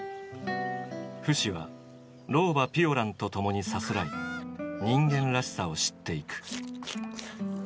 フシは老婆ピオランと共にさすらい人間らしさを知っていく。